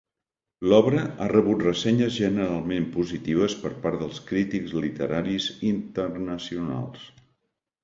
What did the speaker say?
L'obra ha rebut ressenyes generalment positives per part dels crítics literaris internacionals.